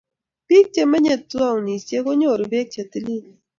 biik che menyei townisiek ko nyoru beek che tililen.